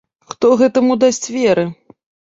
Хто гэтаму дасць веры!